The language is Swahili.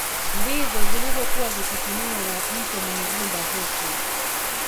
Ndizo zilizokuwa zikitumiwa na Mtwa Munyigumba huku